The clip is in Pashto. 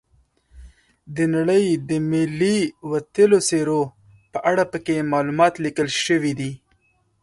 د نړۍ د ملي وتلیو څیرو په اړه پکې معلومات لیکل شوي دي.